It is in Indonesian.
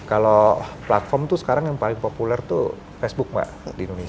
kalau platform tuh sekarang yang paling populer tuh facebook mbak di indonesia